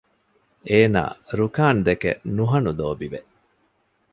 އޭނާ ރުކާންދެކެ ނުހަނު ލޯބިވެ